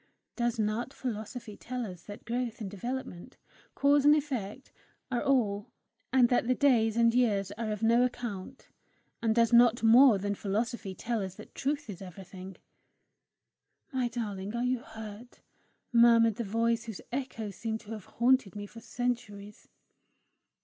Does not philosophy tell us that growth and development, cause and effect, are all, and that the days and years are of no account? And does not more than philosophy tell us that truth is everything? "My darling! Are you hurt?" murmured the voice whose echoes seemed to have haunted me for centuries.